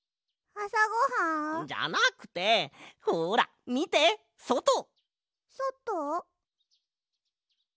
あさごはん？じゃなくてほらみてそと！そと？